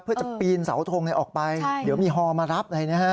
เพื่อจะปีนเสาทงออกไปเดี๋ยวมีฮอล์มารับ